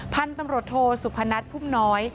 พันธุ์ตำรวจโทสุพนัทพุ่มน้อย